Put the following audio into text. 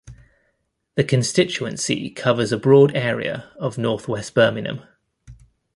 The constituency covers a broad area of north-west Birmingham.